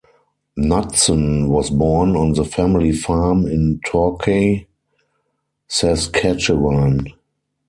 Knutson was born on the family farm in Torquay, Saskatchewan.